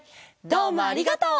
どうもありがとう！